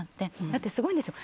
だってすごいんですよ。